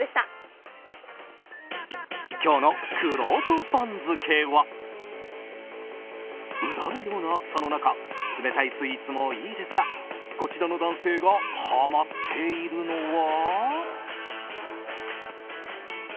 今日のくろうと番付はうだるような暑さの中冷たいスーツもいいですがこちらの男性がハマっているのは。